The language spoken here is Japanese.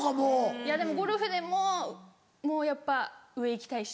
いやでもゴルフでももうやっぱ上行きたいし。